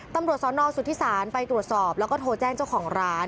ตำรวจสนสุธิศาลไปตรวจสอบแล้วก็โทรแจ้งเจ้าของร้าน